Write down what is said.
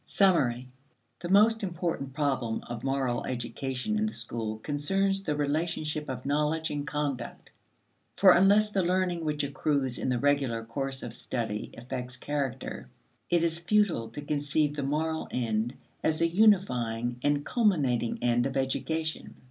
Summary. The most important problem of moral education in the school concerns the relationship of knowledge and conduct. For unless the learning which accrues in the regular course of study affects character, it is futile to conceive the moral end as the unifying and culminating end of education.